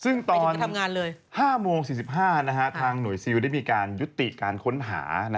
ซึ่งตอน๕โมง๔๕นะฮะทางหน่วยซิวได้มีการยุติการค้นหาที่